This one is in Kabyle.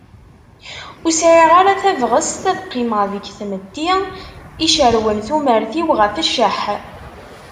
Ur sɛiɣ ara tabɣest ad qqimeɣ deg tmetti icerwen tumert-iw ɣef cceḥ.